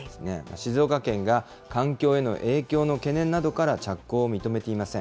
静岡県が環境への影響の懸念などから着工を認めていません。